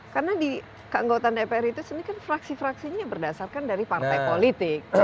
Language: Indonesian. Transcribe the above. karena di anggota mpr itu sendiri kan fraksi fraksinya berdasarkan dari partai politik